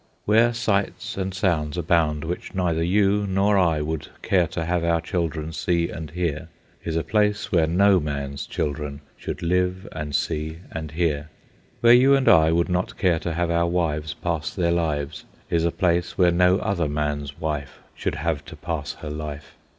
Where sights and sounds abound which neither you nor I would care to have our children see and hear is a place where no man's children should live, and see, and hear. Where you and I would not care to have our wives pass their lives is a place where no other man's wife should have to pass her life.